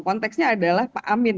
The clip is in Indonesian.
konteksnya adalah pak amin